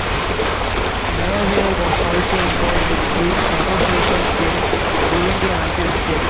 Nyerere was also involved with peace negotiations in Burundi until his death.